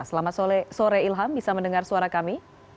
selamat sore ilham bisa mendengar suara kami